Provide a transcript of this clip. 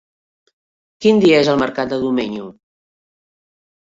Quin dia és el mercat de Domenyo?